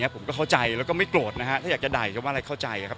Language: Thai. ผมก็เข้าใจและไม่โกรธนะครับ